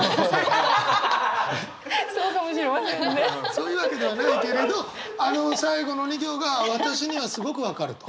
そういうわけではないけれどあの最後の２行が私にはすごく分かると？